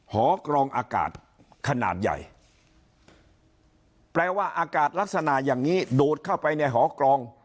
หอกรองอากาศขนาดใหญ่แปลว่าอากาศลักษณะอย่างนี้ดูดเข้าไปในหอกรอง